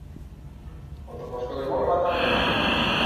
এটা বাচ্চাদের ব্যবহার করার জন্য।